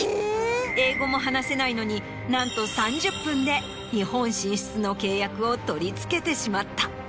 英語も話せないのになんと３０分で日本進出の契約を取り付けてしまった。